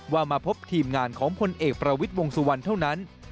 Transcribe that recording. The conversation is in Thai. มาพบทีมงานของพลเอกประวิทย์วงสุวรรณเท่านั้น